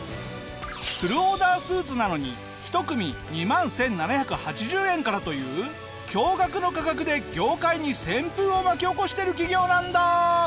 フルオーダースーツなのに１組２万１７８０円からという驚愕の価格で業界に旋風を巻き起こしてる企業なんだ！